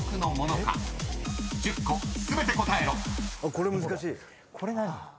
これ難しい。